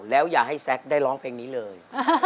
แล้วอย่าให้แซ็กได้ร้องเพลงนี้เลย